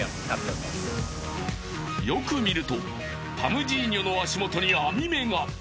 ［よく見るとタムジーニョの足元に網目が］